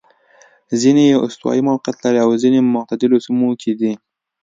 ځیني یې استوايي موقعیت لري او ځیني معتدلو سیمو کې دي.